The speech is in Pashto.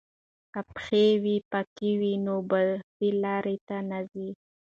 که پښې پاکې وي نو بدې لارې ته نه ځي.